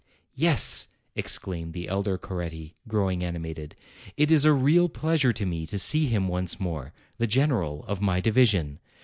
'Yes!" exclaimed the elder Coretti, growing animated, "it is a real pleasure to me to see him once more, the general of my division.